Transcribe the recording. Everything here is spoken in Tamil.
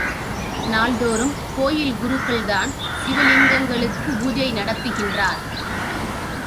நாள்தோறும் கோவில் குருக்கள் தான் சிவலிங்கங்களுக்குப் பூசை நடத்துகின்றார்.